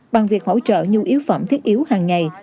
bằng việc hỗ trợ nhu yếu phẩm thiết yếu hàng ngày